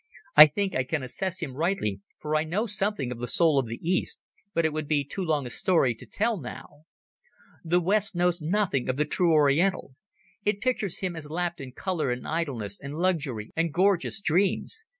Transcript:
I think I can assess him rightly, for I know something of the soul of the East, but it would be too long a story to tell now. The West knows nothing of the true Oriental. It pictures him as lapped in colour and idleness and luxury and gorgeous dreams.